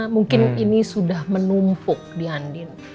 mungkin ini sudah menumpuk di andin